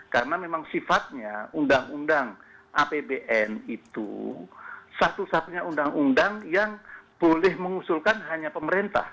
karena memang sifatnya undang undang apbn itu satu satunya undang undang yang boleh mengusulkan hanya pemerintah